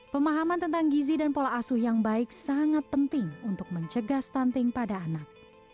pemahaman tentang gizi dan pola asuh yang baik sangat penting untuk mencegah stunting pada anak